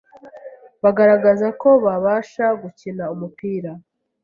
bagaragaza ko babasha gukina umupira,